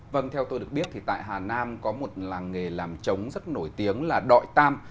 vâng theo tôi được biết thì tại hà nam có một làng nghề làm trống rất nổi tiếng là đội tam